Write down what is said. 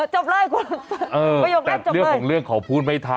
ซื้อให้มันต้องมีในกล่องไว้ล่ะ